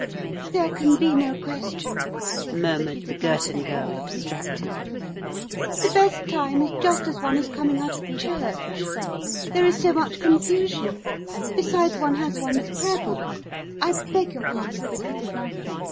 "There can be no question," murmured the Girton Girl abstractedly, "the best time is just as one is coming out of church. There is so much confusion; besides, one has one's Prayer book—I beg your pardon."